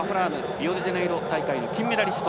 リオデジャネイロの金メダリスト。